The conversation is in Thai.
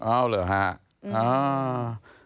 อ้าวเหรอฮะอ้าว